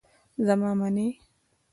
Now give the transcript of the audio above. زما منی.